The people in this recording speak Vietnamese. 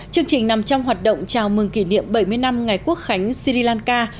chương trình nằm trong hoạt động chào mừng kỷ niệm bảy mươi năm ngày quốc khánh sri lanka